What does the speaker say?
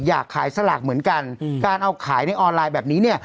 อยากขายสลากเหมือนกันการเอาขายในออนไลน์แบบนี้เนี่ย